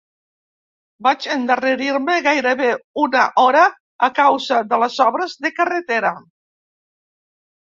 Vaig endarrerir-me gairebé una hora a causa de les obres de carretera